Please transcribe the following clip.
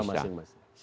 oh tidak bisa